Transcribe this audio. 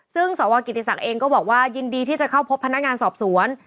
ซึ่งสวกิติศักดิ์เองก็บอกว่ายินดีที่จะเข้าพบพนักงานสอบสวน